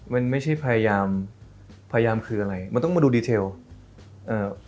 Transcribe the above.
มันไม่ใช่พยายามพยายามคืออะไรมันต้องมาดูดีเทลเอ่อ